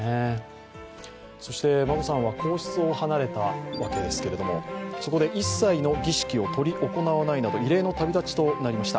そして、眞子さんは皇室を離れたわけですけれどもそこで一切の儀式を執り行わないなど異例の旅立ちとなりました。